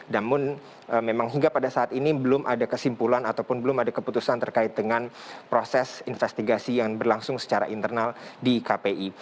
namun memang hingga pada saat ini belum ada kesimpulan ataupun belum ada keputusan terkait dengan proses investigasi yang berlangsung secara internal di kpi